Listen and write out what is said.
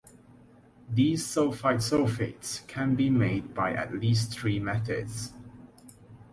These sulfite sulfates can be made by at least three methods.